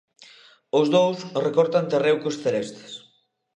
Os dous recortan terreo cos celestes.